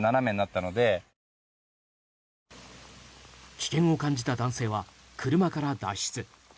危険を感じた男性は車から脱出。